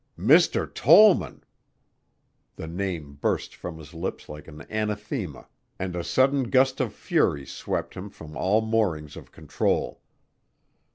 "Mr. Tollman!" The name burst from his lips like an anathema and a sudden gust of fury swept him from all moorings of control.